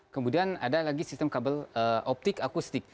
kemudian ada lagi sistem kabel optik akustik